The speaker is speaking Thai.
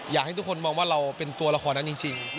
อยากให้ทุกคนมองว่าเราเป็นตัวละครนั้นจริง